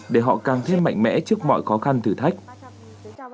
để họ càng thêm mạnh mẽ trước mọi khó khăn thử thách